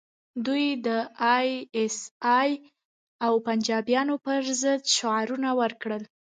دوی د ای ایس ای او پنجابیانو پر ضد شعارونه ورکړل